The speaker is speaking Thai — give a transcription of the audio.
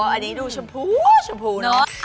อันนี้ดูชมพูชมพูเนอะ